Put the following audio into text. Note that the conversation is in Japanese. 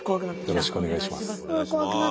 よろしくお願いします。